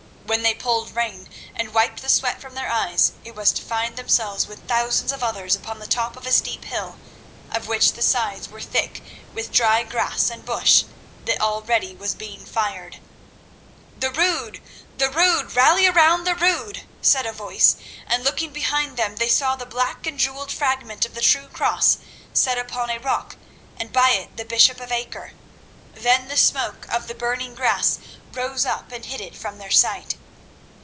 When they pulled rein and wiped the sweat from their eyes it was to find themselves with thousands of others upon the top of a steep hill, of which the sides were thick with dry grass and bush that already was being fired. "The Rood! The Rood! Rally round the Rood!" said a voice, and looking behind them they saw the black and jewelled fragment of the true Cross set upon a rock, and by it the bishop of Acre. Then the smoke of the burning grass rose up and hid it from their sight.